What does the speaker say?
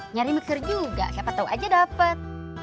nyari mixer juga siapa tau aja dapet